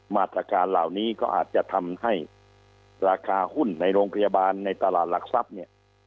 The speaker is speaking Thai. มาตรการเหล่านี้ก็อาจจะทำให้ราคาหุ้นในโรงพยาบาลในตลาดหลักทรัพย์เนี่ย